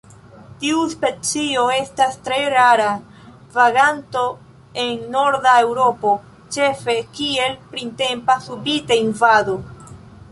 Tiu specio estas tre rara vaganto en norda Eŭropo, ĉefe kiel printempa subita invado.